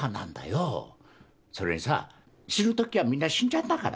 それにさ死ぬときはみんな死んじゃうんだから。